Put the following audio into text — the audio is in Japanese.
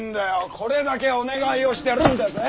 これだけお願いをしてるんだぜェ。